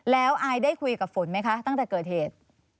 แล้วอายได้คุยกับฝนไหมคะตั้งแต่เกิดเหตุ